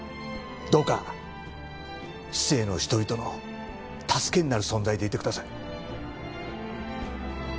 どうか市井の人々の助けになる存在でいてください。